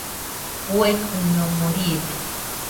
Uaikɨñomo riide.